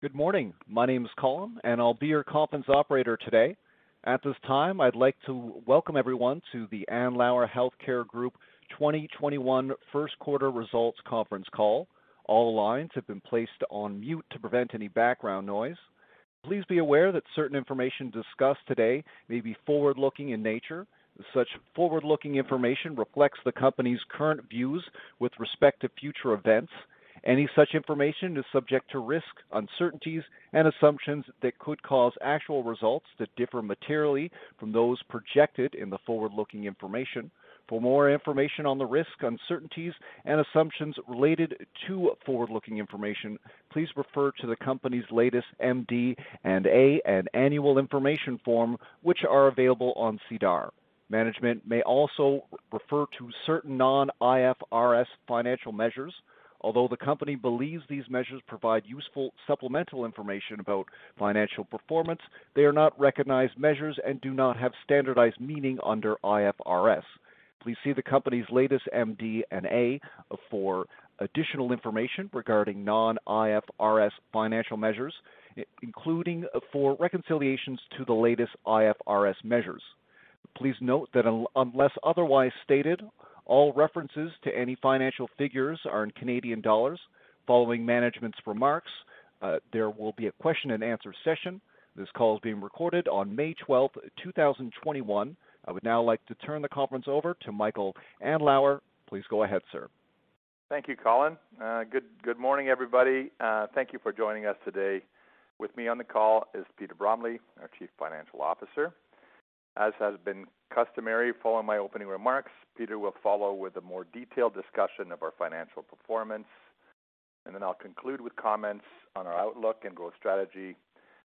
Good morning. My name is Colin, I'll be your conference operator today. At this time, I'd like to welcome everyone to the Andlauer Healthcare Group 2021 first quarter results conference call. All lines have been placed on mute to prevent any background noise. Please be aware that certain information discussed today may be forward-looking in nature. Such forward-looking information reflects the company's current views with respect to future events. Any such information is subject to risks, uncertainties, and assumptions that could cause actual results to differ materially from those projected in the forward-looking information. For more information on the risks, uncertainties, and assumptions related to forward-looking information, please refer to the company's latest MD&A and annual information form, which are available on SEDAR. Management may also refer to certain non-IFRS financial measures. Although the company believes these measures provide useful supplemental information about financial performance, they are not recognized measures and do not have standardized meaning under IFRS. Please see the company's latest MD&A for additional information regarding non-IFRS financial measures, including for reconciliations to the latest IFRS measures. Please note that unless otherwise stated, all references to any financial figures are in Canadian dollars. Following management's remarks, there will be a question and answer session. This call is being recorded on May 12th, 2021. I would now like to turn the conference over to Michael Andlauer. Please go ahead, sir. Thank you Colin. Good morning, everybody. Thank you for joining us today. With me on the call is Peter Bromley, our Chief Financial Officer. As has been customary, following my opening remarks, Peter will follow with a more detailed discussion of our financial performance, and then I'll conclude with comments on our outlook and growth strategy,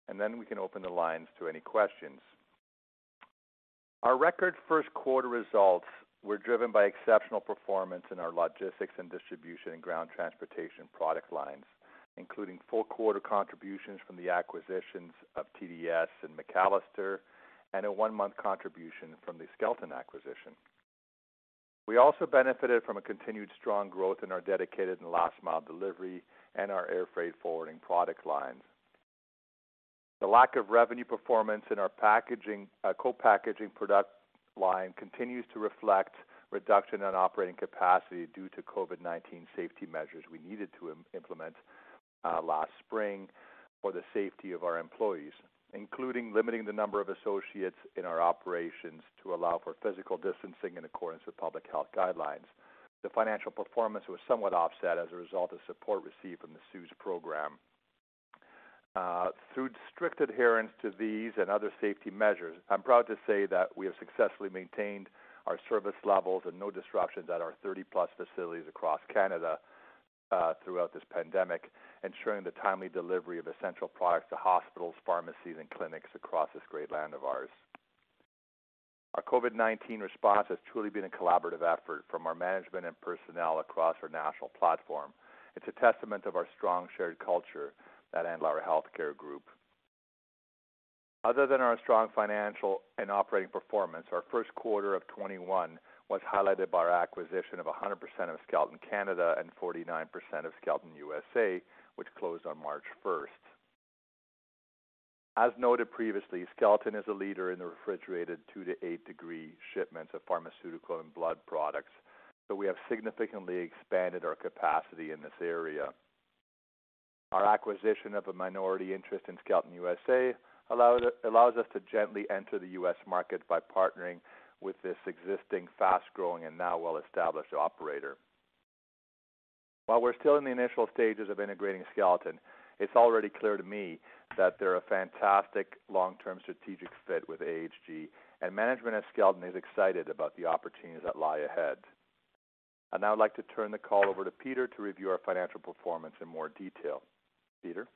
and then we can open the lines to any questions. Our record first quarter results were driven by exceptional performance in our logistics and distribution and ground transportation product lines, including full quarter contributions from the acquisitions of TDS and McAllister, and a one-month contribution from the Skelton acquisition. We also benefited from a continued strong growth in our dedicated and last-mile delivery and our air freight forwarding product lines. The lack of revenue performance in our co-packaging product line continues to reflect reduction in operating capacity due to COVID-19 safety measures we needed to implement last spring for the safety of our employees, including limiting the number of associates in our operations to allow for physical distancing in accordance with public health guidelines. The financial performance was somewhat offset as a result of support received from the CEWS program. Through strict adherence to these and other safety measures, I'm proud to say that we have successfully maintained our service levels and no disruptions at our 30+ facilities across Canada throughout this pandemic, ensuring the timely delivery of essential products to hospitals, pharmacies, and clinics across this great land of ours. Our COVID-19 response has truly been a collaborative effort from our management and personnel across our national platform. It's a testament of our strong shared culture at Andlauer Healthcare Group. Other than our strong financial and operating performance, our Q1 2021 was highlighted by our acquisition of 100% of Skelton Canada and 49% of Skelton USA, which closed on March 1st, 2021. As noted previously, Skelton is a leader in the refrigerated 2 to 8-degree shipments of pharmaceutical and blood products. We have significantly expanded our capacity in this area. Our acquisition of a minority interest in Skelton USA allows us to gently enter the U.S. market by partnering with this existing, fast-growing and now well-established operator. While we're still in the initial stages of integrating Skelton, it's already clear to me that they're a fantastic long-term strategic fit with AHG, and management at Skelton is excited about the opportunities that lie ahead. I'd now like to turn the call over to Peter to review our financial performance in more detail. Peter?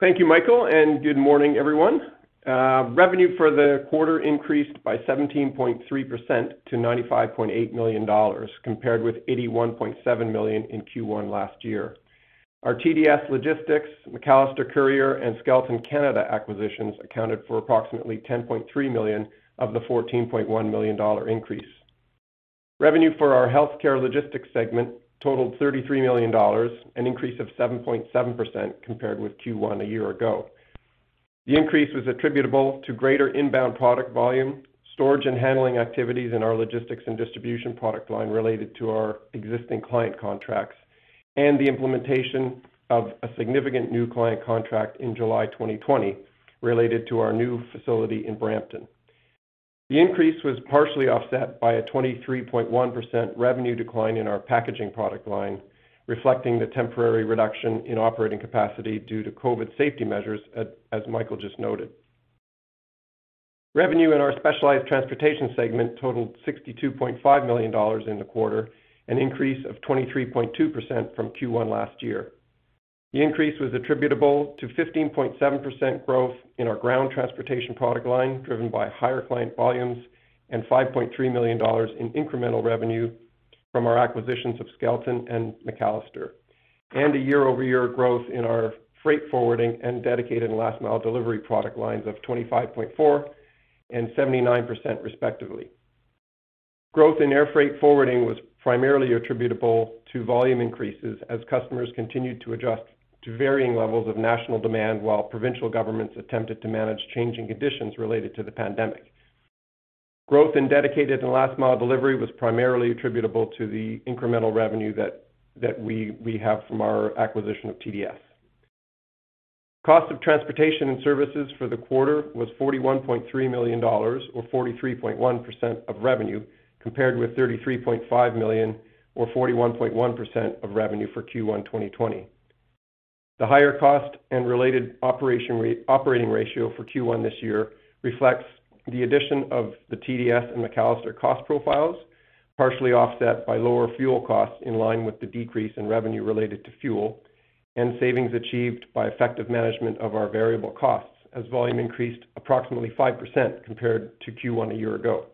Thank you, Michael, and good morning, everyone. Revenue for the quarter increased by 17.3% to 95.8 million dollars, compared with 81.7 million in Q1 last year. Our TDS Logistics, McAllister Courier, and Skelton Canada acquisitions accounted for approximately 10.3 million of the 14.1 million dollar increase. Revenue for our healthcare logistics segment totaled 33 million dollars, an increase of 7.7% compared with Q1 year ago. The increase was attributable to greater inbound product volume, storage and handling activities in our logistics and distribution product line related to our existing client contracts, and the implementation of a significant new client contract in July 2020 related to our new facility in Brampton. The increase was partially offset by a 23.1% revenue decline in our packaging product line, reflecting the temporary reduction in operating capacity due to COVID safety measures, as Michael just noted. Revenue in our Specialized Transportation segment totaled 62.5 million dollars in the quarter, an increase of 23.2% from Q1 last year. The increase was attributable to 15.7% growth in our ground transportation product line, driven by higher client volumes and 5.3 million dollars in incremental revenue from our acquisitions of Skelton and McAllister, and a year-over-year growth in our freight forwarding and dedicated last-mile delivery product lines of 25.4% and 79% respectively. Growth in air freight forwarding was primarily attributable to volume increases as customers continued to adjust to varying levels of national demand while provincial governments attempted to manage changing conditions related to the pandemic. Growth in dedicated and last-mile delivery was primarily attributable to the incremental revenue that we have from our acquisition of TDS. Cost of transportation and services for the quarter was 41.3 million dollars, or 43.1% of revenue, compared with 33.5 million or 41.1% of revenue for Q1 2020. The higher cost and related operating ratio for Q1 this year reflects the addition of the TDS and McAllister cost profiles, partially offset by lower fuel costs in line with the decrease in revenue related to fuel, and savings achieved by effective management of our variable costs as volume increased approximately 5% compared to Q1 year ago.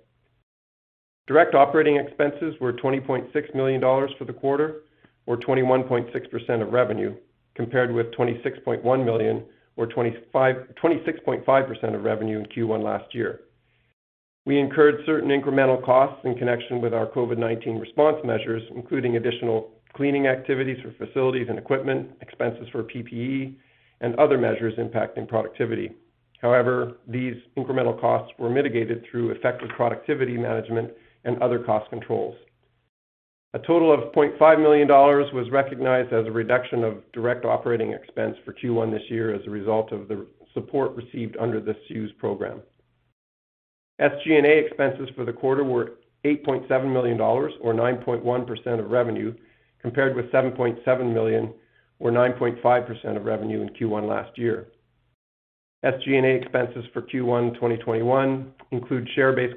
Direct operating expenses were 20.6 million dollars for the quarter, or 21.6% of revenue, compared with 26.1 million or 26.5% of revenue in Q1 last year. We incurred certain incremental costs in connection with our COVID-19 response measures, including additional cleaning activities for facilities and equipment, expenses for PPE, and other measures impacting productivity. However, these incremental costs were mitigated through effective productivity management and other cost controls. A total of 0.5 million dollars was recognized as a reduction of direct operating expense for Q1 this year as a result of the support received under the CEWS program. SG&A expenses for the quarter were 8.7 million dollars, or 9.1% of revenue, compared with 7.7 million or 9.5% of revenue in Q1 last year. SG&A expenses for Q1 2021 include share-based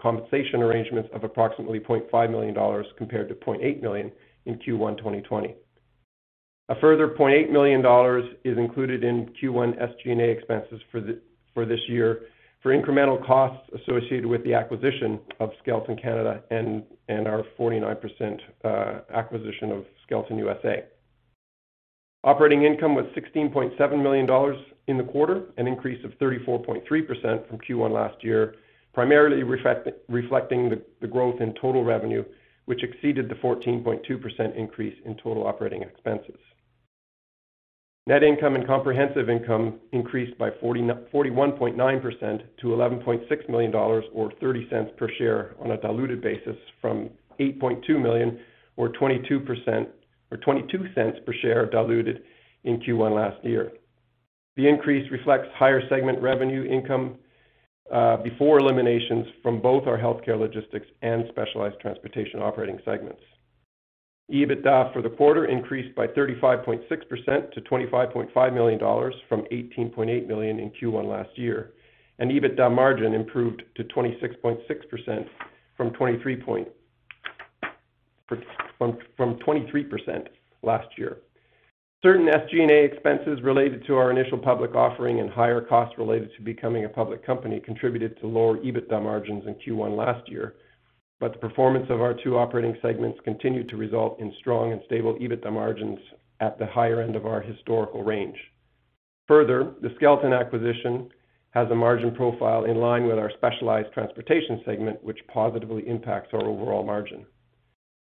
compensation arrangements of approximately 0.5 million dollars compared to 0.8 million in Q1 2020. A further 0.8 million dollars is included in Q1 SG&A expenses for this year for incremental costs associated with the acquisition of Skelton Canada and our 49% acquisition of Skelton USA. Operating income was 16.7 million dollars in the quarter, an increase of 34.3% from Q1 last year, primarily reflecting the growth in total revenue, which exceeded the 14.2% increase in total operating expenses. Net income and comprehensive income increased by 41.9% to 11.6 million dollars, or 0.30 per share on a diluted basis from 8.2 million or 0.22 per share diluted in Q1 last year. The increase reflects higher segment revenue income before eliminations from both our healthcare logistics and specialized transportation operating segments. EBITDA for the quarter increased by 35.6% to 25.5 million dollars from 18.8 million in Q1 last year, and EBITDA margin improved to 26.6% from 23% last year. Certain SG&A expenses related to our initial public offering and higher costs related to becoming a public company contributed to lower EBITDA margins in Q1 last year. The performance of our two operating segments continued to result in strong and stable EBITDA margins at the higher end of our historical range. Further, the Skelton acquisition has a margin profile in line with our specialized transportation segment, which positively impacts our overall margin.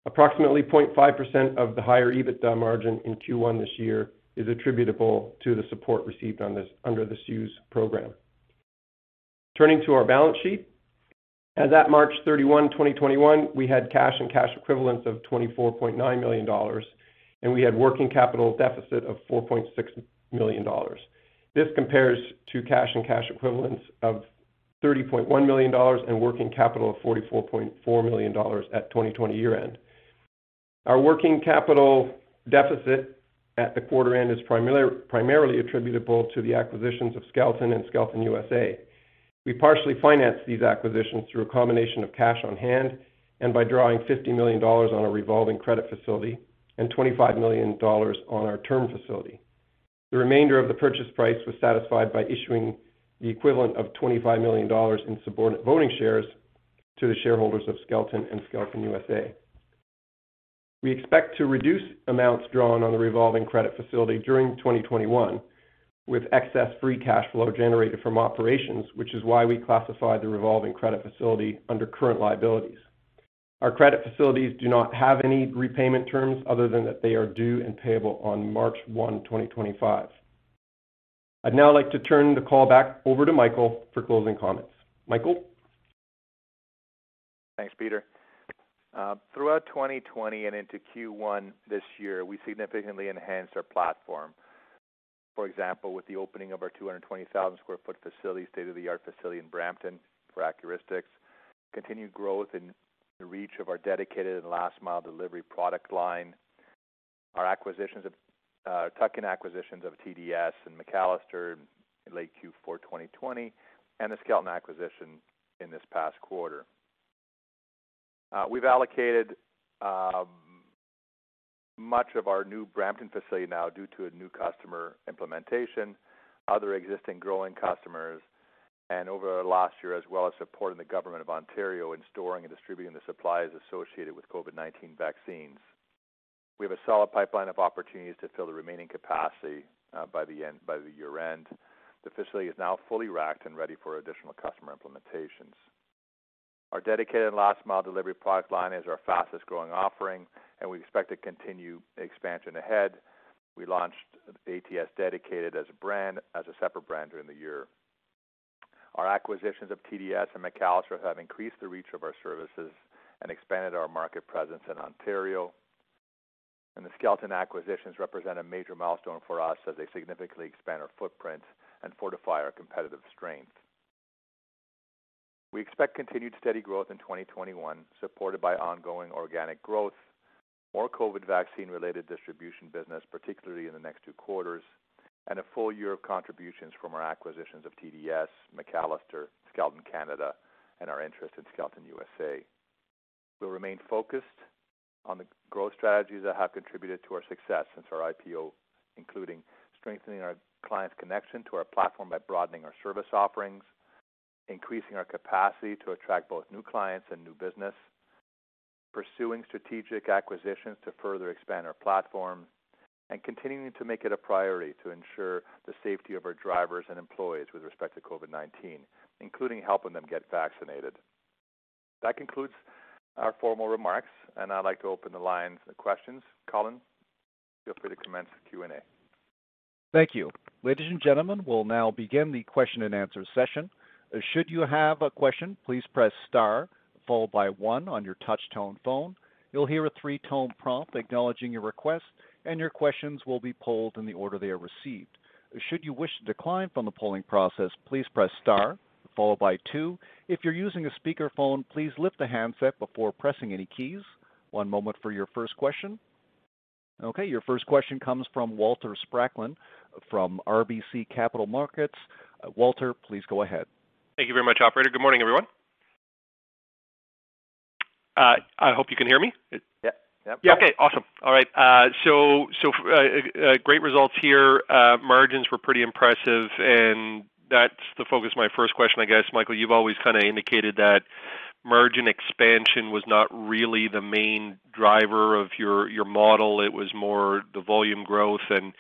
Approximately 0.5% of the higher EBITDA margin in Q1 this year is attributable to the support received under the CEWS program. Turning to our balance sheet. As at March 31st, 2021, we had cash and cash equivalents of 24.9 million dollars, and we had working capital deficit of 4.6 million dollars. This compares to cash and cash equivalents of 30.1 million dollars and working capital of 44.4 million dollars at 2020 year-end. Our working capital deficit at the quarter end is primarily attributable to the acquisitions of Skelton and Skelton USA. We partially financed these acquisitions through a combination of cash on hand and by drawing 50 million dollars on a revolving credit facility and 25 million dollars on our term facility. The remainder of the purchase price was satisfied by issuing the equivalent of 25 million dollars in subordinate voting shares to the shareholders of Skelton and Skelton USA. We expect to reduce amounts drawn on the revolving credit facility during 2021 with excess free cash flow generated from operations, which is why we classified the revolving credit facility under current liabilities. Our credit facilities do not have any repayment terms other than that they are due and payable on March 1st, 2025. I'd now like to turn the call back over to Michael for closing comments. Michael? Thanks, Peter. Throughout 2020 and into Q1 this year, we significantly enhanced our platform. For example, with the opening of our 220,000 sq ft facility, state-of-the-art facility in Brampton for Accuristix, continued growth in the reach of our dedicated and last-mile delivery product line, our tuck-in acquisitions of TDS and McAllister in late Q4 2020, and the Skelton acquisition in this past quarter. We've allocated much of our new Brampton facility now due to a new customer implementation, other existing growing customers, and over the last year as well as supporting the Government of Ontario in storing and distributing the supplies associated with COVID-19 vaccines. We have a solid pipeline of opportunities to fill the remaining capacity by the year-end. The facility is now fully racked and ready for additional customer implementations. Our dedicated last-mile delivery pipeline is our fastest-growing offering, and we expect to continue expansion ahead. We launched ATS Dedicated as a separate brand during the year. Our acquisitions of TDS and McAllister have increased the reach of our services and expanded our market presence in Ontario. The Skelton acquisitions represent a major milestone for us as they significantly expand our footprint and fortify our competitive strength. We expect continued steady growth in 2021, supported by ongoing organic growth, more COVID-19 vaccine-related distribution business, particularly in the next two quarters, and a full year of contributions from our acquisitions of TDS, McAllister, Skelton Canada, and our interest in Skelton USA. We'll remain focused on the growth strategies that have contributed to our success since our IPO, including strengthening our clients' connection to our platform by broadening our service offerings, increasing our capacity to attract both new clients and new business, pursuing strategic acquisitions to further expand our platform, and continuing to make it a priority to ensure the safety of our drivers and employees with respect to COVID-19, including helping them get vaccinated. That concludes our formal remarks, and I'd like to open the lines for questions. Colin, feel free to commence the Q&A. Thank you. Ladies and gentlemen, we'll now begin the question and answer session. Should you have a question, please press star one on your touch tone phone. You'll hear a three-tone prompt acknowledging your request, and your questions will be polled in the order they are received. Should you wish to decline from the polling process, please press star two. If you're using a speakerphone, please lift the handset before pressing any keys. One moment for your first question. Okay, your first question comes from Walter Spracklin from RBC Capital Markets. Walter, please go ahead. Thank you very much, operator. Good morning, everyone. I hope you can hear me. Yeah. Okay, awesome. All right. Great results here. Margins were pretty impressive, and that's the focus of my first question, I guess, Michael. You've always indicated that margin expansion was not really the main driver of your model. It was more the volume growth, and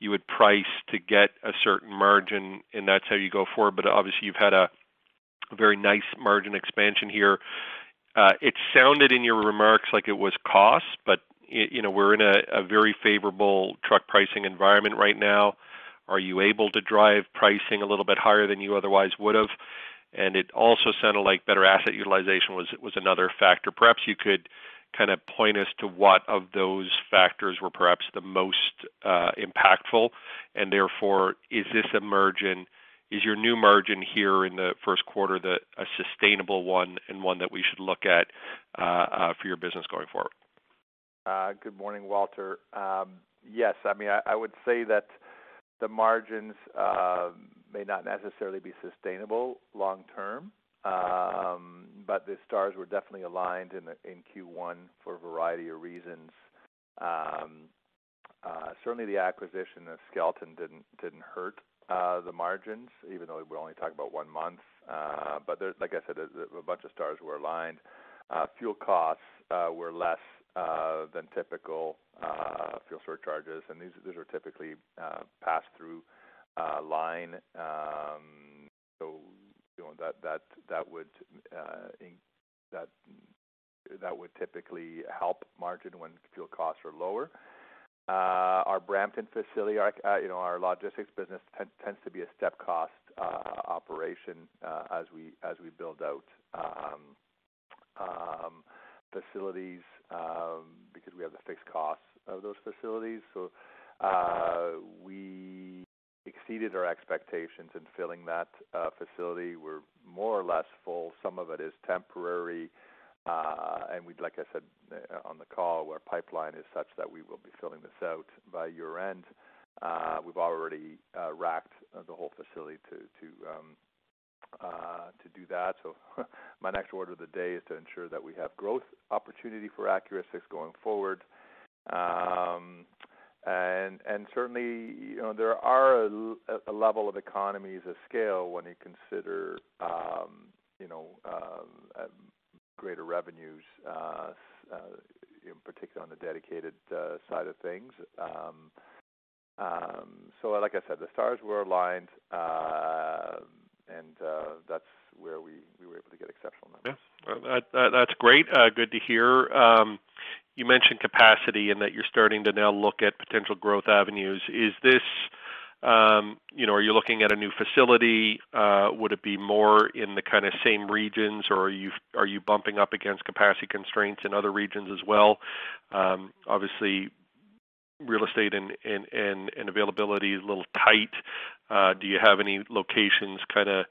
you would price to get a certain margin, and that's how you go forward. Obviously, you've had a very nice margin expansion here. It sounded in your remarks like it was cost, but we're in a very favorable truck pricing environment right now. Are you able to drive pricing a little bit higher than you otherwise would have? It also sounded like better asset utilization was another factor. Perhaps you could point us to what of those factors were perhaps the most impactful and therefore, is your new margin here in the first quarter a sustainable one and one that we should look at for your business going forward? Good morning, Walter. Yes, I would say that the margins may not necessarily be sustainable long term. Okay The stars were definitely aligned in Q1 for a variety of reasons. Certainly, the acquisition of Skelton didn't hurt the margins, even though we're only talking about one month. Okay. Like I said, a bunch of stars were aligned. Fuel costs were less than typical fuel surcharges, and these are typically pass-through line. That would typically help margin when fuel costs are lower. Our Brampton facility, our logistics business tends to be a step cost operation as we build out facilities because we have the fixed costs of those facilities. We exceeded our expectations in filling that facility. We're more or less full. Some of it is temporary, and like I said on the call, our pipeline is such that we will be filling this out by year-end. We've already racked the whole facility to do that. My next order of the day is to ensure that we have growth opportunity for Accuristix going forward. Certainly, there are a level of economies of scale when you consider greater revenues, in particular on the dedicated side of things. Like I said, the stars were aligned, and that's where we were able to get exceptional numbers. Yeah. That's great. Good to hear. You mentioned capacity and that you're starting to now look at potential growth avenues. Are you looking at a new facility? Would it be more in the same regions, or are you bumping up against capacity constraints in other regions as well? Obviously, real estate and availability is a little tight. Do you have any locations framed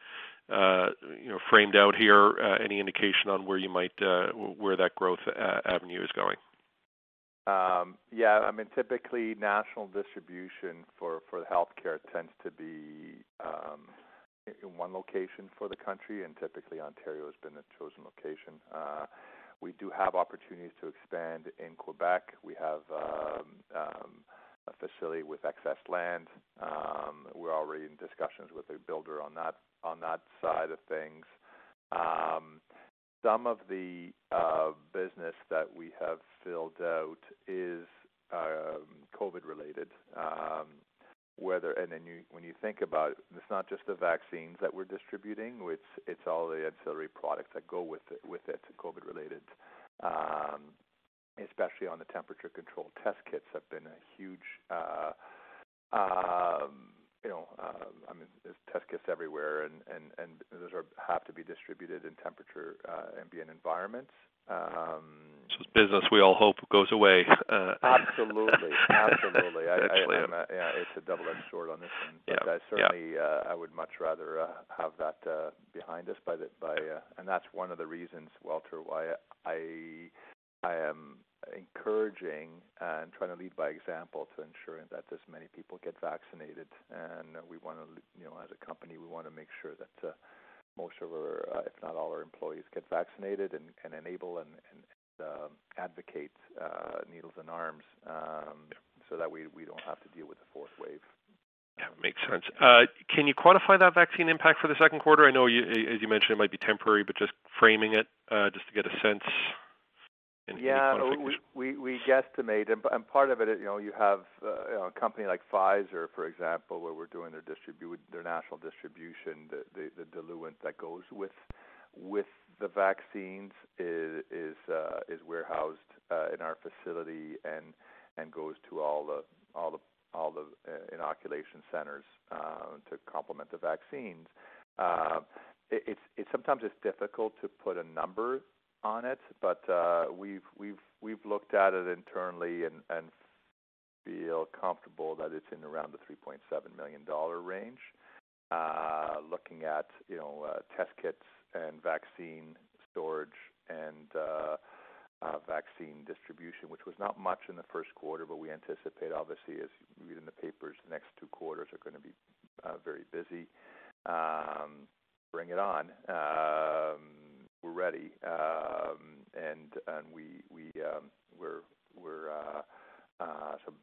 out here, any indication on where that growth avenue is going? Typically, national distribution for healthcare tends to be in one location for the country, and typically Ontario has been the chosen location. We do have opportunities to expand in Quebec. Facility with excess land. We're already in discussions with a builder on that side of things. Some of the business that we have filled out is COVID related. When you think about it's not just the vaccines that we're distributing, it's all the ancillary products that go with it. It's COVID related, especially on the temperature control. Test kits everywhere, and those have to be distributed in temperature ambient environments. It's business we all hope goes away. Absolutely. Actually. It's a double-edged sword on this one. Yeah. Certainly, I would much rather have that behind us. That's one of the reasons, Walter, why I am encouraging and trying to lead by example to ensuring that as many people get vaccinated. As a company, we want to make sure that most of our, if not all our employees, get vaccinated and enable and advocate needles in arms. Yeah That we don't have to deal with a fourth wave. Yeah, makes sense. Can you quantify that vaccine impact for the second quarter? I know, as you mentioned, it might be temporary, but just framing it just to get a sense in Q1 figures. We guesstimate part of it, you have a company like Pfizer, for example, where we're doing their national distribution. The diluent that goes with the vaccines is warehoused in our facility and goes to all the inoculation centers to complement the vaccines. Sometimes it's difficult to put a number on it, we've looked at it internally and feel comfortable that it's in around the 3.7 million dollar range. Looking at test kits and vaccine storage and vaccine distribution, which was not much in the first quarter, we anticipate, obviously as you read in the papers, the next two quarters are going to be very busy. Bring it on. We're ready.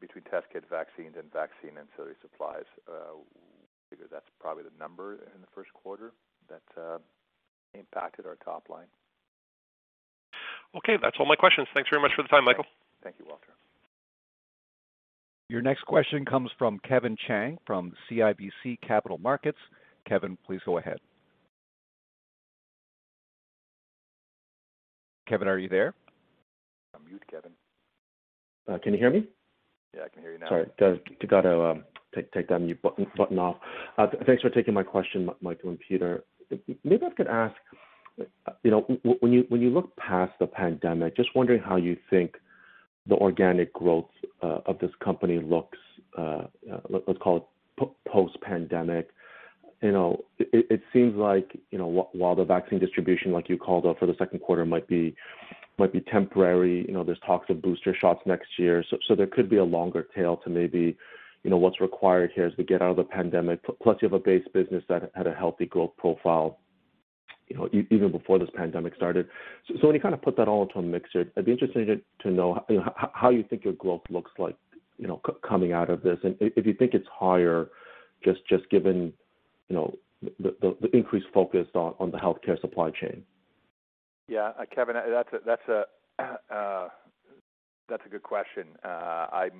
Between test kit vaccines and vaccine ancillary supplies, we figure that's probably the number in the first quarter that impacted our top line. Okay. That's all my questions. Thanks very much for the time, Michael. Thank you, Walter. Your next question comes from Kevin Chiang, from CIBC Capital Markets. Kevin, please go ahead. Kevin, are you there? Unmute, Kevin. Can you hear me? Yeah, I can hear you now. Sorry. Got to take that mute button off. Thanks for taking my question, Michael and Peter. Maybe I could ask, when you look past the pandemic, just wondering how you think the organic growth of this company looks, let's call it post-pandemic. It seems like while the vaccine distribution like you called out for the second quarter might be temporary, there's talks of booster shots next year. There could be a longer tail to maybe what's required here as we get out of the pandemic. You have a base business that had a healthy growth profile even before this pandemic started. When you kind of put that all into a mixer, I'd be interested to know how you think your growth looks like coming out of this, and if you think it's higher, just given the increased focus on the healthcare supply chain. Yeah. Kevin, that's a good question. As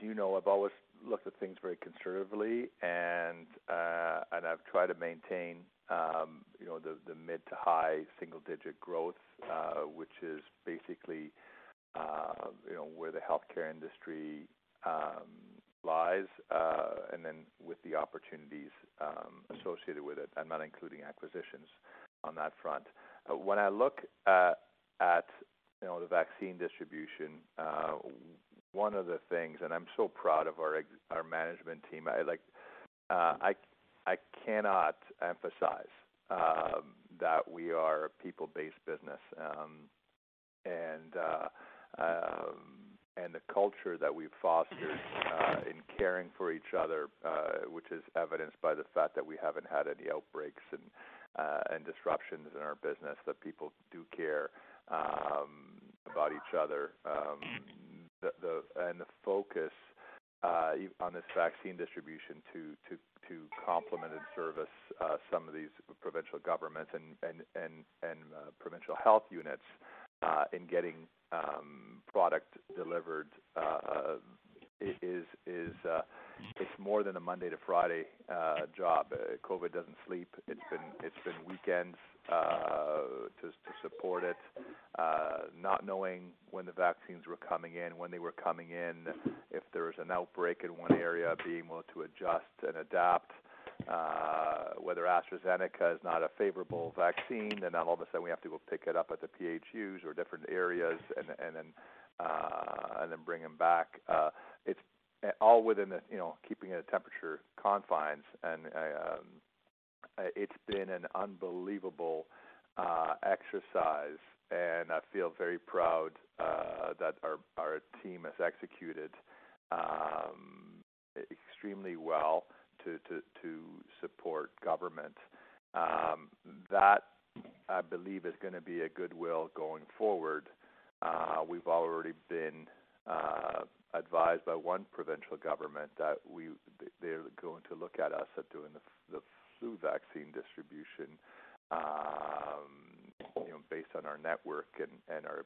you know, I've always looked at things very conservatively and I've tried to maintain the mid-to-high single-digit growth, which is basically where the healthcare industry lies. With the opportunities associated with it, I'm not including acquisitions on that front. When I look at the vaccine distribution one of the things, and I'm so proud of our management team. I cannot emphasize that we are a people-based business. The culture that we've fostered in caring for each other, which is evidenced by the fact that we haven't had any outbreaks and disruptions in our business, that people do care about each other. The focus on this vaccine distribution to complement and service some of these provincial governments and provincial Public Health Units in getting product delivered is more than a Monday to Friday job. COVID doesn't sleep. It's been weekends to support it. Not knowing when the vaccines were coming in, when they were coming in, if there was an outbreak in one area, being able to adjust and adapt. Whether AstraZeneca is not a favorable vaccine, then all of a sudden we have to go pick it up at the PHUs or different areas and then bring them back. It's all within the keeping it at temperature confines, and it's been an unbelievable exercise and I feel very proud that our team has executed extremely well to support government. That, I believe, is going to be a goodwill going forward. We've already been advised by one provincial government that they're going to look at us at doing the flu vaccine distribution based on our network and our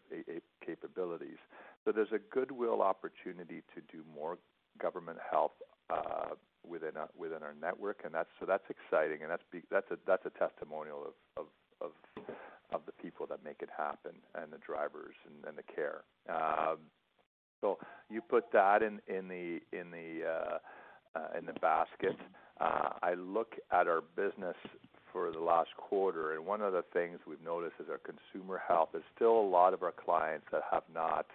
capabilities. There's a goodwill opportunity to do more government help within our network, and that's exciting, and that's a testimonial of the people that make it happen, and the drivers, and the care. You put that in the basket. I look at our business for the last quarter, and one of the things we've noticed is our consumer health is still a lot of our clients that have not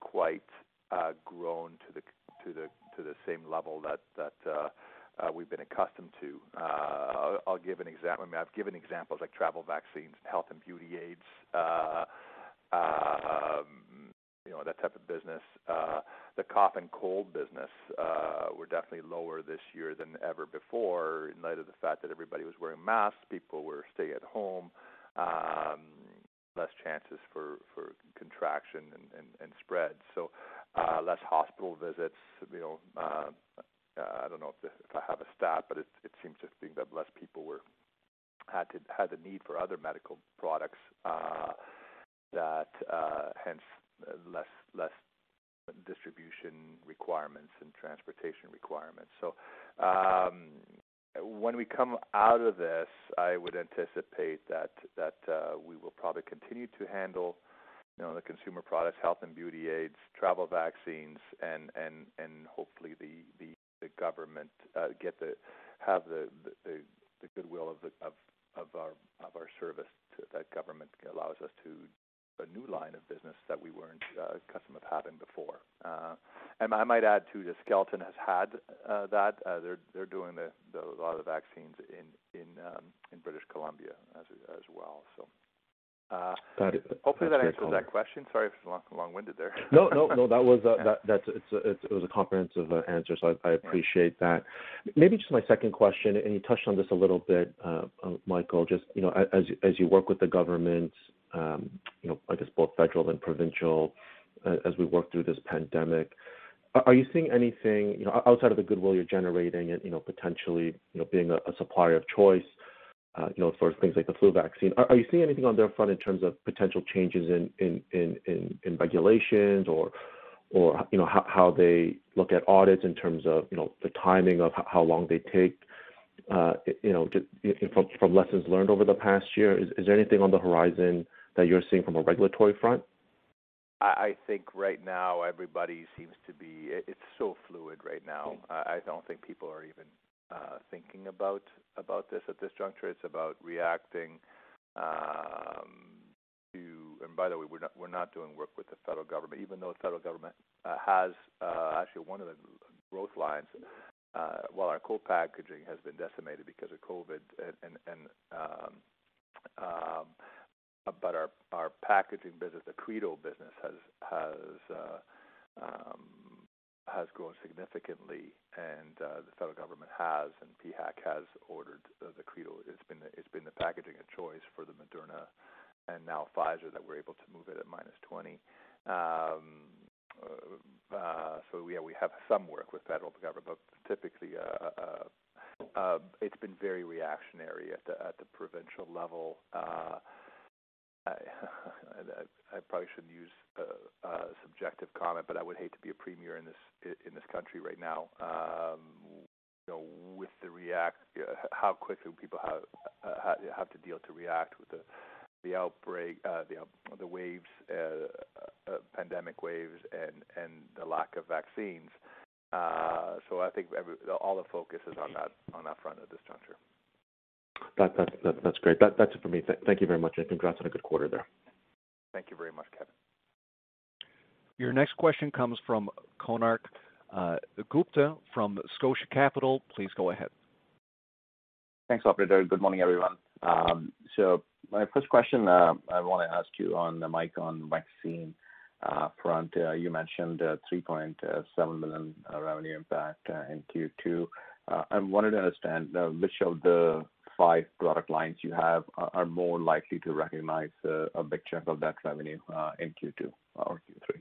quite grown to the same level that we've been accustomed to. I've given examples like travel vaccines, health and beauty aids, that type of business. The cough and cold business were definitely lower this year than ever before in light of the fact that everybody was wearing masks, people were stay-at-home, less chances for contraction and spread. Less hospital visits. I don't know if I have a stat, but it seems to think that less people had the need for other medical products, hence less distribution requirements and transportation requirements. When we come out of this, I would anticipate that we will probably continue to handle the consumer products, health and beauty aids, travel vaccines, and hopefully have the goodwill of our service that government allows us to, a new line of business that we weren't accustomed of having before. I might add, too, that Skelton has had that. They're doing a lot of the vaccines in British Columbia as well. Hopefully that answers that question. Sorry if it's long-winded there. No. It was a comprehensive answer, so I appreciate that. Maybe just my second question, and you touched on this a little bit, Michael, just as you work with the government, I guess both federal and provincial, as we work through this pandemic, are you seeing anything outside of the goodwill you're generating and potentially being a supplier of choice for things like the flu vaccine, are you seeing anything on their front in terms of potential changes in regulations or how they look at audits in terms of the timing of how long they take? From lessons learned over the past year, is there anything on the horizon that you're seeing from a regulatory front? I think right now, it's so fluid right now. I don't think people are even thinking about this at this juncture. It's about reacting to. By the way, we're not doing work with the federal government, even though the federal government has actually one of the growth lines. While our co-packaging has been decimated because of COVID-19, our packaging business, the Credo business, has grown significantly and the federal government has, and PHAC has ordered the Credo. It's been the packaging of choice for the Moderna and now Pfizer that we're able to move it at minus 20 degrees Celsius. Yeah, we have some work with federal government, but typically it's been very reactionary at the provincial level. I probably shouldn't use a subjective comment, but I would hate to be a premier in this country right now with how quickly people have to deal to react with the outbreak, the pandemic waves, and the lack of vaccines. I think all the focus is on that front at this juncture. That's great. That's it for me. Thank you very much, and congrats on a good quarter there. Thank you very much, Kevin. Your next question comes from Konark Gupta from Scotia Capital. Please go ahead. Thanks, operator. Good morning, everyone. My first question I want to ask you on the mic on vaccine front, you mentioned 3.7 million revenue impact in Q2. I wanted to understand which of the five product lines you have are more likely to recognize a big chunk of that revenue in Q2 or Q3?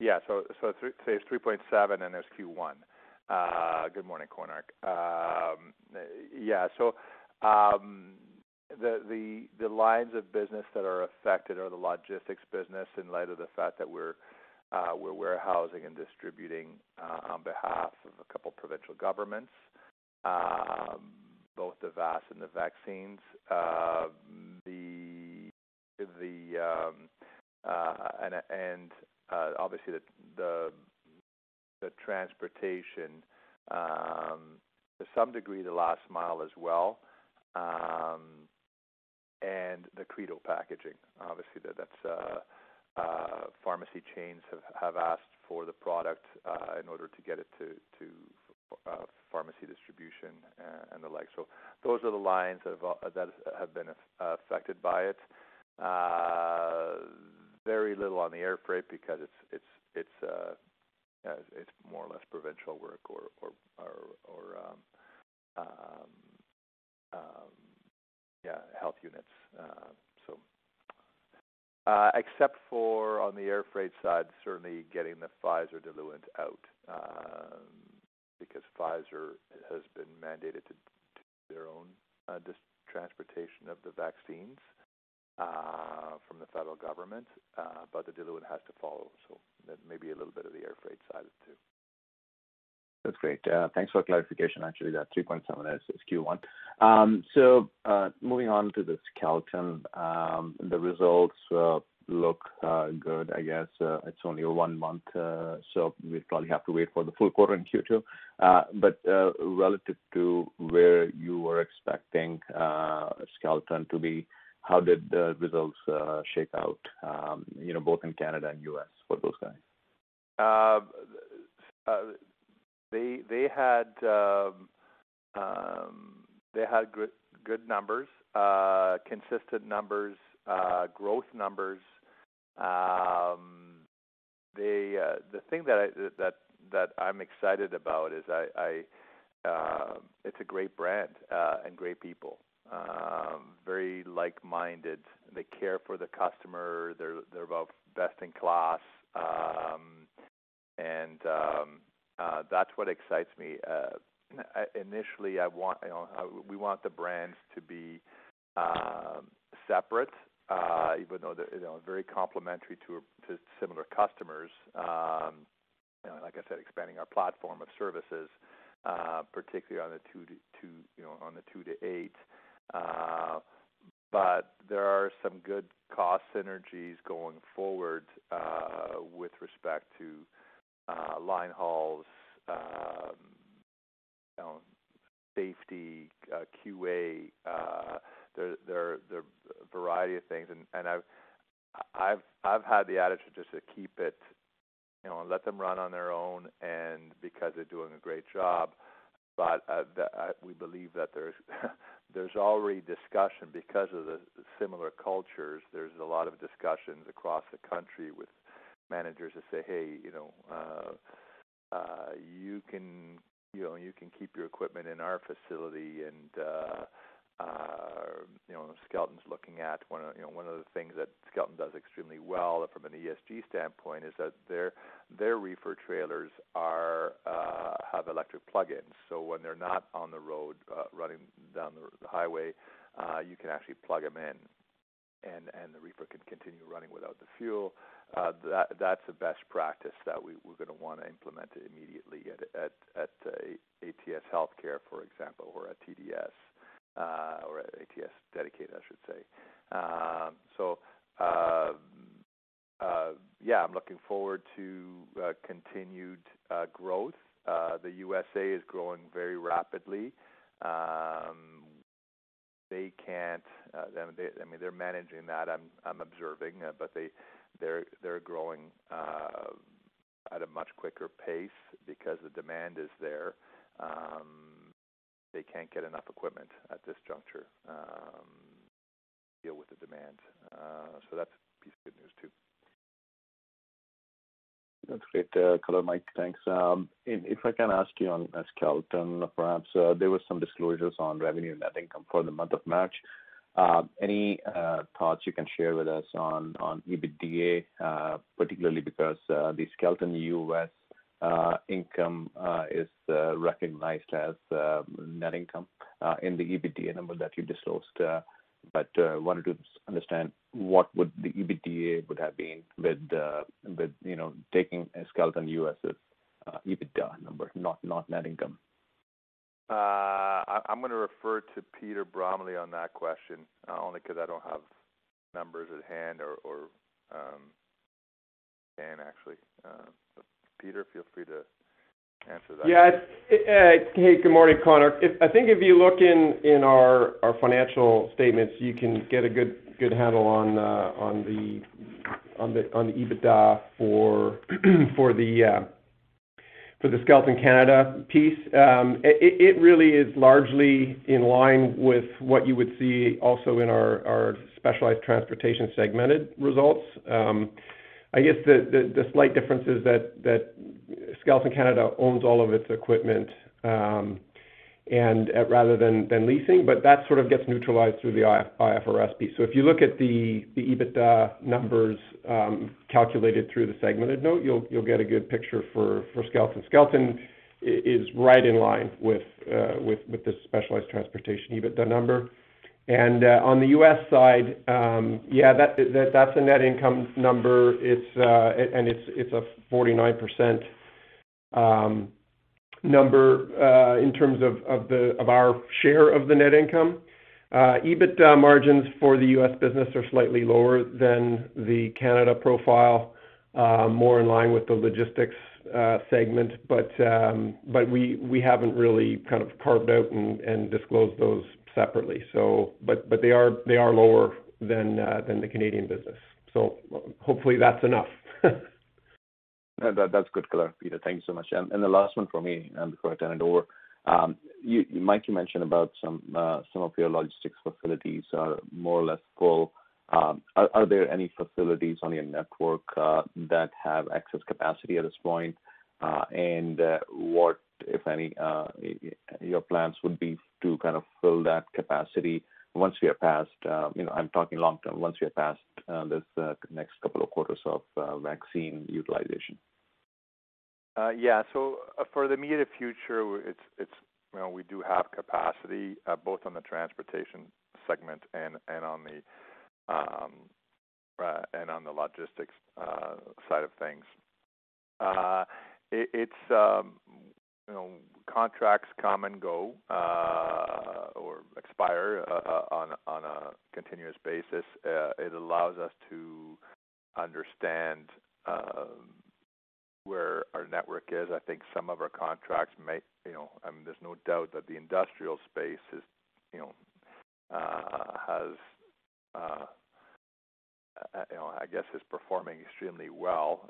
Say it's 3.7 and there's Q1. Good morning, Konark. The lines of business that are affected are the logistics business in light of the fact that we're warehousing and distributing on behalf of a couple provincial governments, both the vials and the vaccines. Obviously the transportation, to some degree, the last mile as well, and the Credo packaging. Obviously, pharmacy chains have asked for the product in order to get it to pharmacy distribution and the like. Those are the lines that have been affected by it. Very little on the air freight because it's more or less provincial work or Public Health Units. Except for on the air freight side, certainly getting the Pfizer diluent out, because Pfizer has been mandated to do their own transportation of the vaccines from the federal government, but the diluent has to follow, so maybe a little bit of the air freight side, too. That's great. Thanks for the clarification. Actually, that 3.7 is Q1. Moving on to the Skelton. The results look good, I guess. It's only one month, so we'd probably have to wait for the full quarter in Q2. Relative to where you were expecting Skelton to be, how did the results shake out both in Canada and U.S. for those guys? They had good numbers, consistent numbers, growth numbers. The thing that I'm excited about is it's a great brand and great people. Very like-minded. They care for the customer. They're about best in class, and that's what excites me. Initially, we want the brands to be separate even though they're very complementary to similar customers. Like I said, expanding our platform of services, particularly on the 2 to 8. There are some good cost synergies going forward with respect to line hauls, safety, QA. There are a variety of things, and I've had the attitude just to keep it, let them run on their own and because they're doing a great job. We believe that there's already discussion because of the similar cultures, there's a lot of discussions across the country with managers that say, "Hey, you can keep your equipment in our facility." Skelton's looking at one of the things that Skelton does extremely well from an ESG standpoint is that their reefer trailers have electric plug-ins, so when they're not on the road running down the highway, you can actually plug them in, and the reefer can continue running without the fuel. That's a best practice that we're going to want to implement immediately at ATS Healthcare, for example, or at TDS, or at ATS Dedicated, I should say. Yeah, I'm looking forward to continued growth. The U.S.A. is growing very rapidly. They're managing that, I'm observing, but they're growing at a much quicker pace because the demand is there. They can't get enough equipment at this juncture to deal with the demand. That's a piece of good news, too. That's great color, Mike. Thanks. If I can ask you on Skelton, perhaps, there were some disclosures on revenue and net income for the month of March. Any thoughts you can share with us on EBITDA, particularly because the Skelton USA income is recognized as net income in the EBITDA number that you disclosed. Wanted to understand what would the EBITDA would have been with taking Skelton USA's EBITDA number, not net income. I'm going to refer to Peter Bromley on that question, only because I don't have numbers at hand or can, actually. Peter, feel free to answer that. Yeah. Hey, good morning, Konark. I think if you look in our financial statements, you can get a good handle on the EBITDA for the Skelton Canada piece. It really is largely in line with what you would see also in our Specialized Transportation segmented results. I guess the slight difference is that Skelton Canada owns all of its equipment rather than leasing, but that sort of gets neutralized through the IFRS piece. If you look at the EBITDA numbers calculated through the segmented note, you'll get a good picture for Skelton. Skelton is right in line with the Specialized Transportation EBITDA number. On the U.S. side, yeah, that's a net income number, and it's a 49% number in terms of our share of the net income. EBITDA margins for the U.S. business are slightly lower than the Canada profile, more in line with the logistics segment, we haven't really kind of carved out and disclosed those separately. They are lower than the Canadian business. Hopefully that's enough. That's good color, Peter, thank you so much. The last one from me before I turn it over. Mike, you mentioned about some of your logistics facilities are more or less full. Are there any facilities on your network that have excess capacity at this point? What, if any, your plans would be to fill that capacity once we are past, I'm talking long-term, once we are past this next couple of quarters of vaccine utilization? For the immediate future, we do have capacity, both on the transportation segment and on the logistics side of things. Contracts come and go, or expire on a continuous basis. It allows us to understand where our network is. There's no doubt that the industrial space has, I guess, is performing extremely well.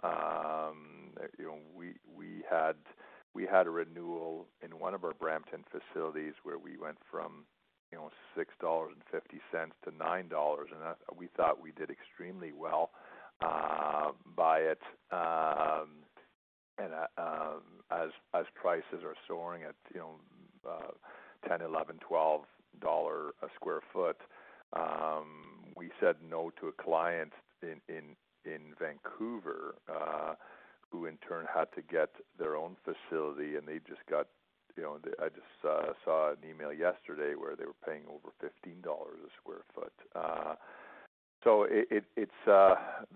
We had a renewal in one of our Brampton facilities where we went from 6.50-9 dollars, we thought we did extremely well by it. As prices are soaring at 10, 11, 12 dollar a square foot, we said no to a client in Vancouver, who in turn had to get their own facility, I just saw an email yesterday where they were paying over CAD 15 a square foot.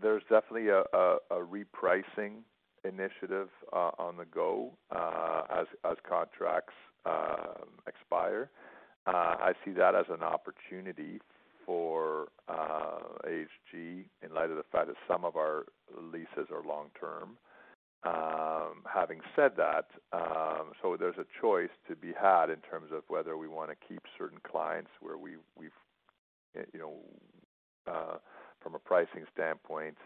There's definitely a repricing initiative on the go as contracts expire. I see that as an opportunity for AHG in light of the fact that some of our leases are long-term. Having said that, there's a choice to be had in terms of whether we want to keep certain clients from a pricing standpoint,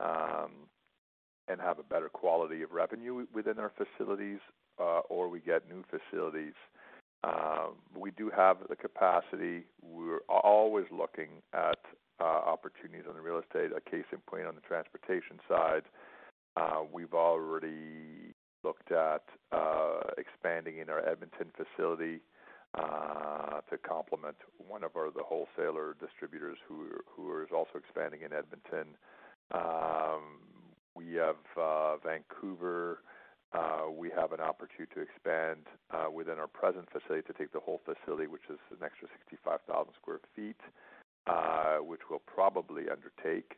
and have a better quality of revenue within our facilities, or we get new facilities. We do have the capacity. We're always looking at opportunities on the real estate. A case in point on the transportation side, we've already looked at expanding in our Edmonton facility to complement one of the wholesaler distributors who is also expanding in Edmonton. We have Vancouver. We have an opportunity to expand within our present facility to take the whole facility, which is an extra 65,000 sq ft, which we'll probably undertake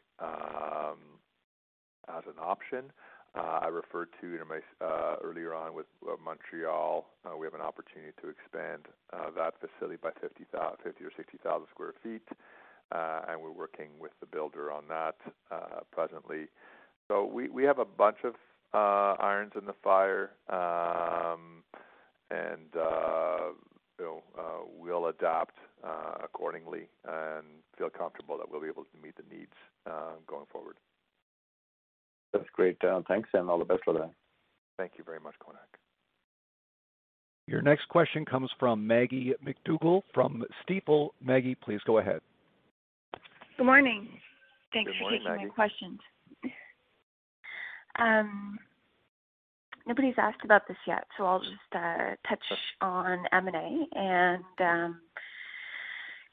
as an option. I referred to earlier on with Montreal, we have an opportunity to expand that facility by 50,000-60,000 square feet, and we're working with the builder on that presently. We have a bunch of irons in the fire, and we'll adapt accordingly and feel comfortable that we'll be able to meet the needs going forward. That's great. Thanks, and all the best with that. Thank you very much, Konark Gupta. Your next question comes from Maggie MacDougall from Stifel. Maggie, please go ahead. Good morning. Good morning, Maggie. Thanks for taking my questions. Nobody's asked about this yet, so I'll just touch on M&A and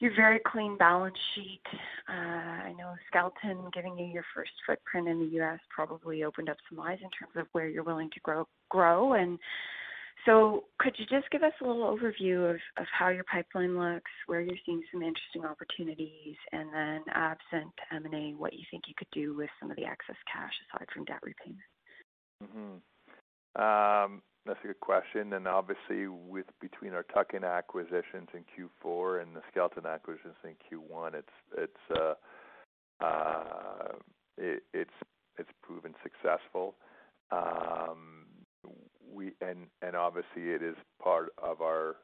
your very clean balance sheet. I know Skelton giving you your first footprint in the U.S. probably opened up some eyes in terms of where you're willing to grow. Could you just give us a little overview of how your pipeline looks, where you're seeing some interesting opportunities, and then absent M&A, what you think you could do with some of the excess cash aside from debt repayment? That's a good question. Obviously between our tuck-in acquisitions in Q4 and the Skelton acquisitions in Q1, it's proven successful. Obviously it is part of our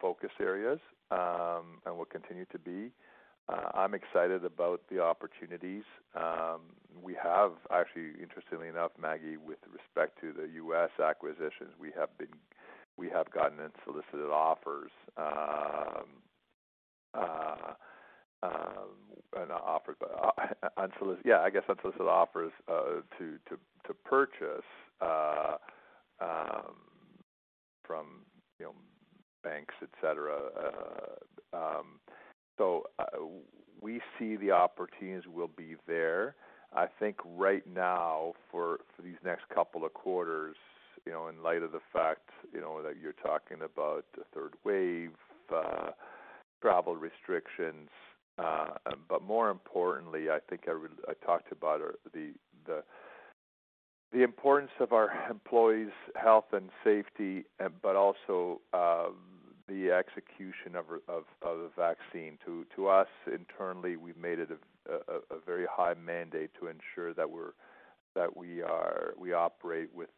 focus areas, and will continue to be. I'm excited about the opportunities. We have actually, interestingly enough, Maggie, with respect to the U.S. acquisitions, we have gotten unsolicited offers. Not offers, but, yeah, I guess unsolicited offers to purchase from banks, et cetera. We see the opportunities will be there. I think right now for these next couple of quarters, in light of the fact that you're talking about a third wave, travel restrictions, but more importantly, I think I talked about the importance of our employees' health and safety, but also the execution of the vaccine. To us internally, we've made it a very high mandate to ensure that we operate with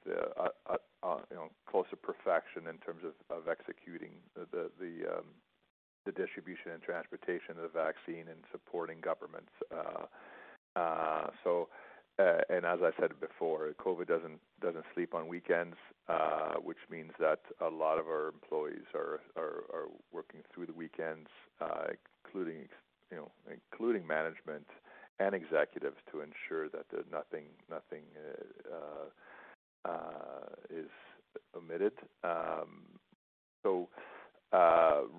close to perfection in terms of executing the distribution and transportation of the vaccine and supporting governments. As I said before, COVID-19 doesn't sleep on weekends, which means that a lot of our employees are working through the weekends, including management and executives to ensure that nothing is omitted.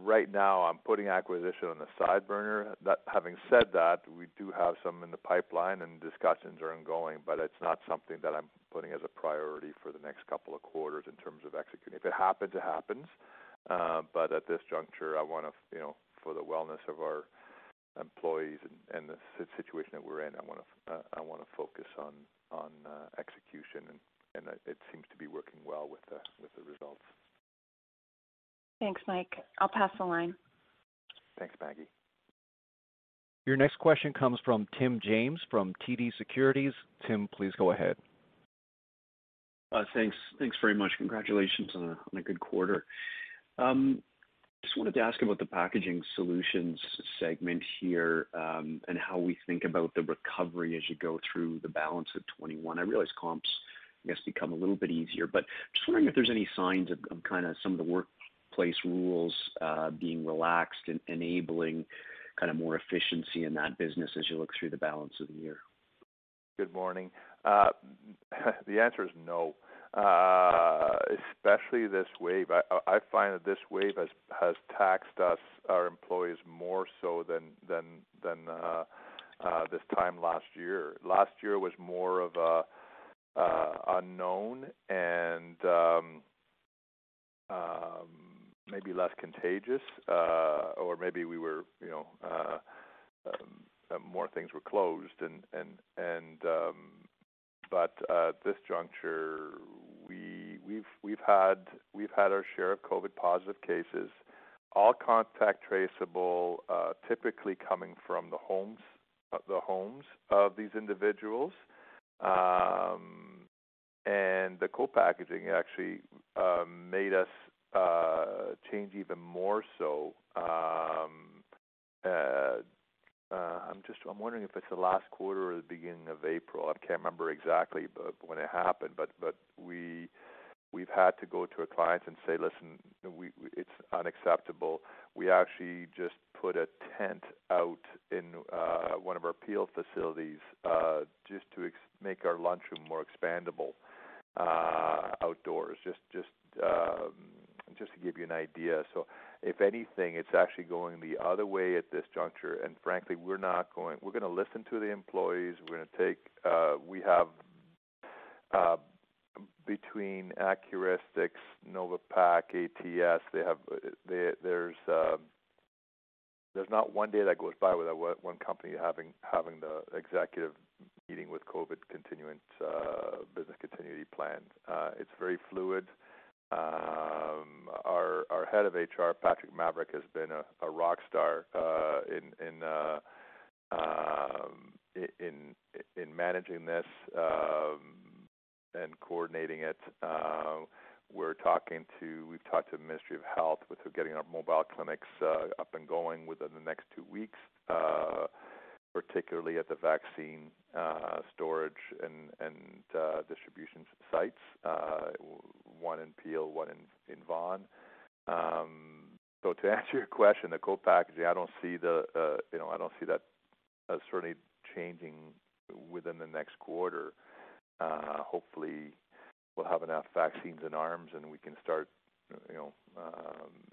Right now, I'm putting acquisition on the side burner. Having said that, we do have some in the pipeline and discussions are ongoing, but it's not something that I'm putting as a priority for the next couple of quarters in terms of executing. If it happens, it happens. At this juncture, for the wellness of our employees and the situation that we're in, I want to focus on execution and it seems to be working well with the results. Thanks, Mike. I'll pass the line. Thanks, Maggie. Your next question comes from Tim James from TD Securities. Tim, please go ahead. Thanks very much. Congratulations on a good quarter. Just wanted to ask about the packaging solutions segment here, and how we think about the recovery as you go through the balance of 2021. I realize comps, I guess, become a little bit easier, but just wondering if there's any signs of kind of some of the workplace rules being relaxed and enabling more efficiency in that business as you look through the balance of the year. Good morning. The answer is no. Especially this wave. I find that this wave has taxed us, our employees, more so than this time last year. Last year was more of a unknown and maybe less contagious, or maybe more things were closed. At this juncture, we've had our share of COVID-19 positive cases, all contact traceable, typically coming from the homes of these individuals. The co-packaging actually made us change even more so. I'm wondering if it's the last quarter or the beginning of April. I can't remember exactly when it happened, but we've had to go to our clients and say, "Listen, it's unacceptable." We actually just put a tent out in one of our Peel facilities, just to make our lunch room more expandable outdoors, just to give you an idea. If anything, it's actually going the other way at this juncture, and frankly, we're going to listen to the employees. Between Accuristix, Nova Pack, ATS, there's not one day that goes by without one company having the executive meeting with COVID business continuity plans. It's very fluid. Our head of HR, Patrick Mavric, has been a rock star in managing this and coordinating it. We've talked to the Ministry of Health with getting our mobile clinics up and going within the next two weeks, particularly at the vaccine storage and distribution sites, one in Peel, one in Vaughan. To answer your question, the co-packaging, I don't see that certainly changing within the next quarter. Hopefully we'll have enough vaccines in arms, and we can start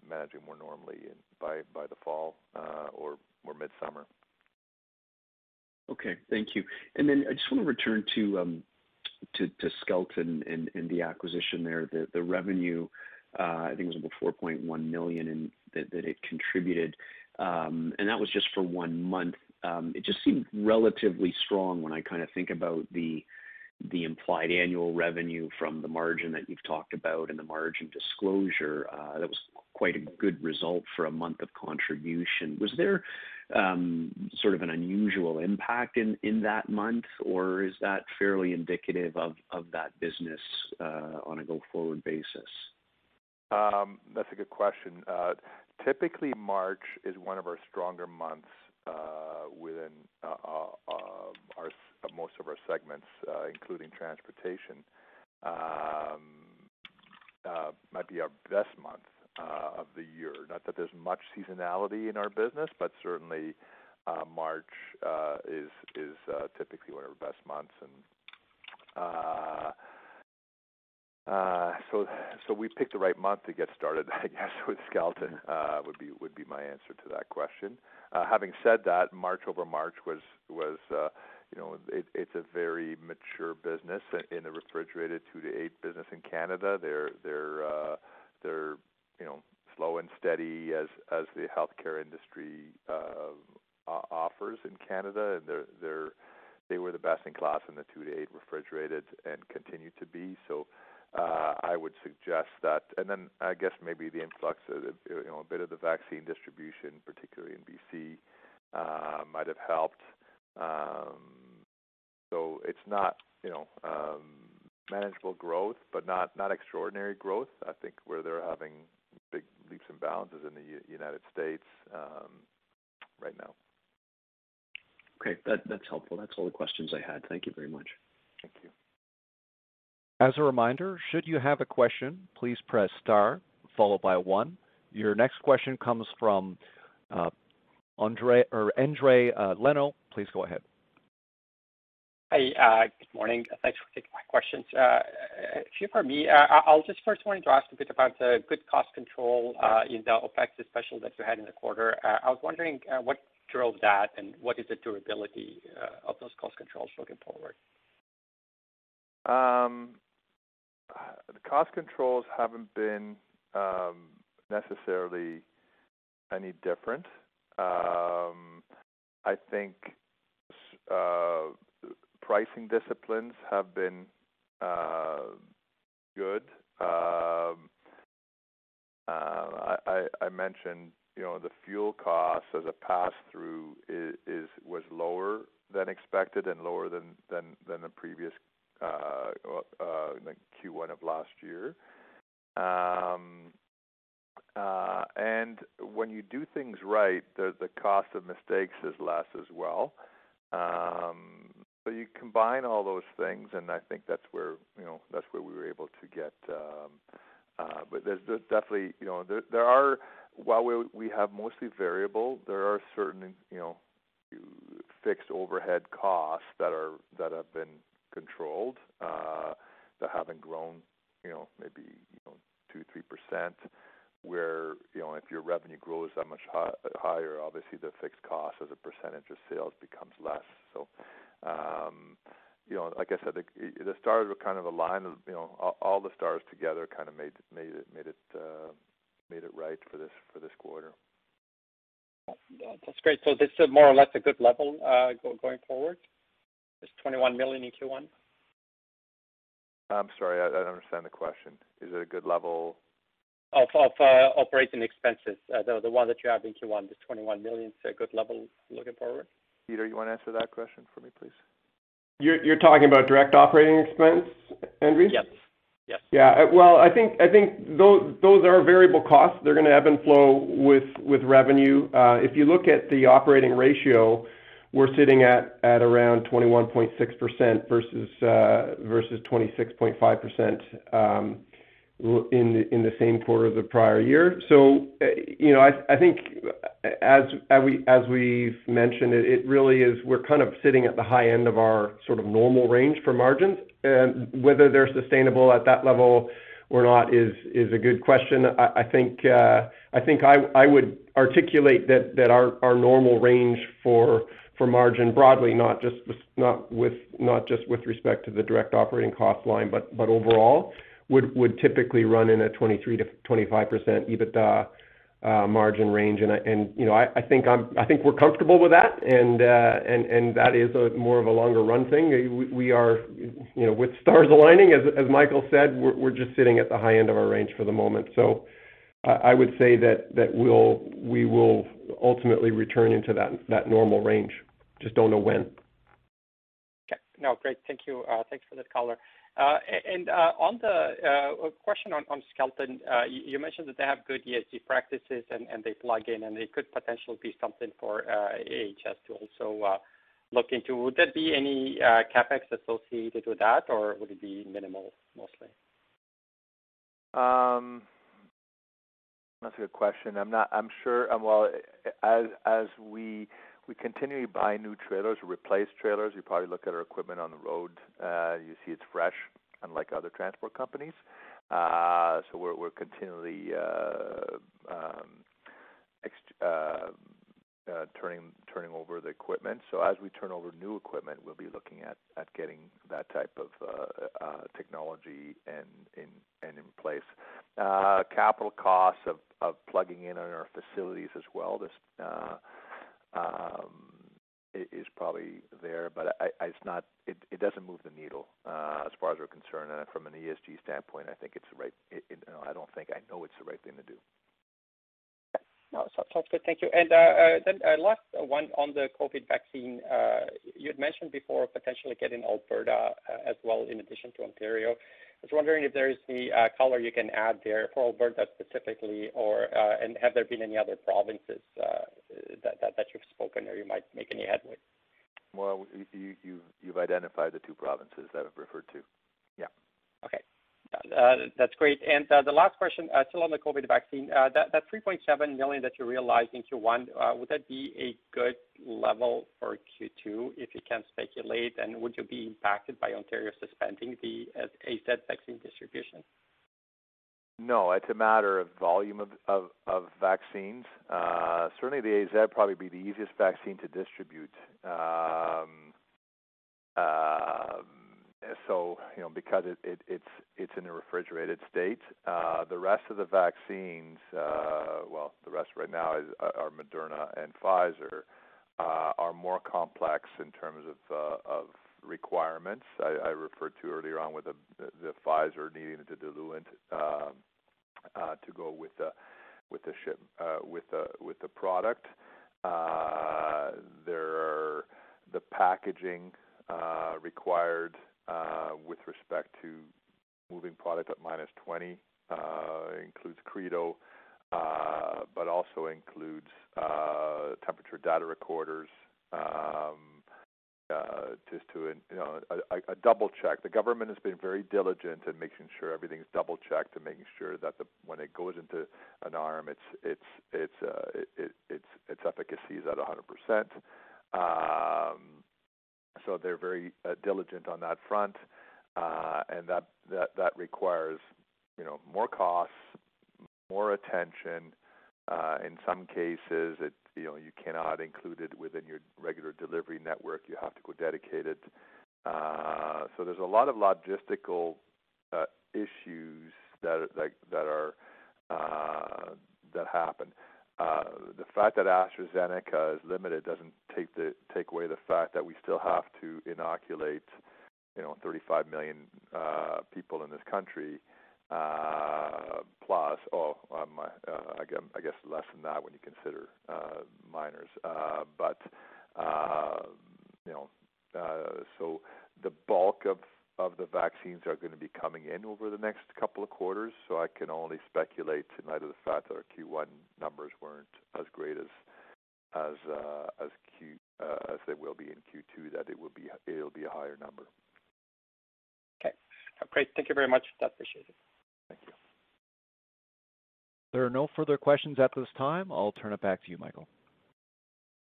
managing more normally by the fall or mid-summer. Okay. Thank you. I just want to return to Skelton and the acquisition there. The revenue, I think it was about 4.1 million that it contributed, and that was just for one month. It just seemed relatively strong when I kind of think about the implied annual revenue from the margin that you've talked about and the margin disclosure. That was quite a good result for a month of contribution. Was there sort of an unusual impact in that month, or is that fairly indicative of that business on a go-forward basis? That's a good question. Typically, March is one of our stronger months within most of our segments, including transportation. Might be our best month of the year. Not that there's much seasonality in our business, but certainly March is typically one of our best months. We picked the right month to get started, I guess, with Skelton, would be my answer to that question. Having said that, March over March, it's a very mature business in the refrigerated two to eight business in Canada. They're slow and steady as the healthcare industry offers in Canada, and they were the best in class in the two to eight refrigerated and continue to be. Then I guess maybe the influx of a bit of the vaccine distribution, particularly in B.C., might have helped. It's not manageable growth, but not extraordinary growth. I think where they're having big leaps and bounds is in the United States right now. Okay. That's helpful. That's all the questions I had. Thank you very much. Thank you. As a reminder, should you have a question, please press star followed by one. Your next question comes from Endri Leno. Please go ahead. Hi. Good morning. Thanks for taking my questions. A few from me. I just first wanted to ask a bit about the good cost control in the OpEx, especially that you had in the quarter. I was wondering what drove that and what is the durability of those cost controls looking forward. The cost controls haven't been necessarily any different. I think pricing disciplines have been good. I mentioned the fuel cost as a pass-through was lower than expected and lower than the previous Q1 of last year. When you do things right, the cost of mistakes is less as well. You combine all those things, and I think that's where we were able to get. While we have mostly variable, there are certain fixed overhead costs that have been controlled, that have grown maybe 2%, 3%, where if your revenue grows that much higher, obviously the fixed cost as a percentage of sales becomes less. Like I said, the stars were kind of aligned. All the stars together made it right for this quarter. That's great. This is more or less a good level going forward, this 21 million in Q1? I'm sorry, I don't understand the question. Is it a good level? Of operating expenses, the one that you have in Q1, this 21 million, it's a good level looking forward? Peter, you want to answer that question for me, please? You're talking about direct operating expense, Endri? Yes. Yeah. Well, I think those are variable costs. They're going to ebb and flow with revenue. If you look at the operating ratio, we're sitting at around 21.6% versus 26.5% in the same quarter of the prior year. I think, as we've mentioned, we're sitting at the high end of our normal range for margins. Whether they're sustainable at that level or not is a good question. I think I would articulate that our normal range for margin broadly, not just with respect to the direct operating cost line, but overall, would typically run in a 23%-25% EBITDA margin range. I think we're comfortable with that, and that is more of a longer run thing. With stars aligning, as Michael said, we're just sitting at the high end of our range for the moment. I would say that we will ultimately return into that normal range. Just don't know when. Okay. No, great. Thank you. Thanks for that color. A question on Skelton. You mentioned that they have good ESG practices and they plug in, and they could potentially be something for ATS to also look into. Would there be any CapEx associated with that, or would it be minimal mostly? That's a good question. As we continually buy new trailers or replace trailers, you probably look at our equipment on the road, you see it's fresh, unlike other transport companies. We're continually turning over the equipment. As we turn over new equipment, we'll be looking at getting that type of technology in place. Capital costs of plugging in in our facilities as well is probably there, but it doesn't move the needle as far as we're concerned. From an ESG standpoint, I know it's the right thing to do. Sounds good. Thank you. Last one on the COVID vaccine. You had mentioned before potentially getting Alberta as well in addition to Ontario. I was wondering if there's any color you can add there for Alberta specifically, and have there been any other provinces that you've spoken or you might make any headway? Well, you've identified the two provinces that I've referred to. Yeah. Okay. That's great. The last question, still on the COVID vaccine. That 3.7 million that you realized in Q1, would that be a good level for Q2, if you can speculate, and would you be impacted by Ontario suspending the AZ vaccine distribution? No, it's a matter of volume of vaccines. Certainly the AZ would probably be the easiest vaccine to distribute because it's in a refrigerated state. The rest of the vaccines, well, the rest right now are Moderna and Pfizer, are more complex in terms of requirements. I referred to earlier on with the Pfizer needing the diluent to go with the product. There are the packaging required with respect to moving product at -20. Includes Credo but also includes temperature data recorders, just to double-check. The government has been very diligent in making sure everything's double-checked and making sure that when it goes into an arm, its efficacy is at 100%. They're very diligent on that front. That requires more costs, more attention. In some cases, you cannot include it within your regular delivery network. You have to go dedicated. There's a lot of logistical issues that happen. The fact that AstraZeneca is limited doesn't take away the fact that we still have to inoculate 35 million people in this country, plus, I guess less than that when you consider minors. The bulk of the vaccines are going to be coming in over the next couple of quarters. I can only speculate to the fact that our Q1 numbers weren't as great as they will be in Q2, that it'll be a higher number. Okay. Great. Thank you very much. I appreciate it. Thank you. There are no further questions at this time. I'll turn it back to you, Michael.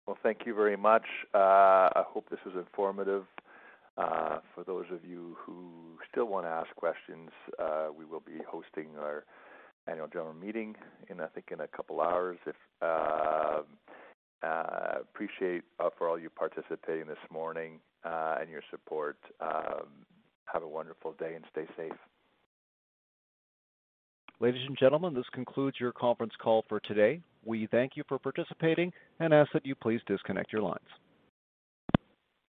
Well, thank you very much. I hope this was informative. For those of you who still want to ask questions, we will be hosting our Annual General Meeting, I think, in a couple hours. Appreciate for all you participating this morning and your support. Have a wonderful day, and stay safe. Ladies and gentlemen, this concludes your conference call for today. We thank you for participating and ask that you please disconnect your lines.